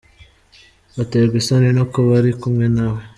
Aterwa isoni no kuba ari kumwe nawe.